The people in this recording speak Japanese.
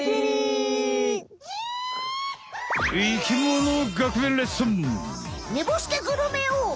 生きもの学園レッスン！